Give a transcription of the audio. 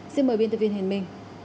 xin mời biên tập viên hiền minh